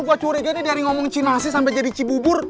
kok curiga nih dari ngomong cina sih sampe jadi cibubur